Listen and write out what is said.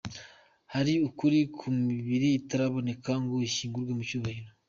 Hari ukuri ku mibiri itaraboneka ngo ishyingurwe mu cyubahiro.